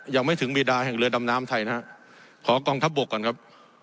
ยังไม่ถึงบีดาแห่งเรือดำน้ำไทยนะฮะขอกองทัพบกก่อนครับ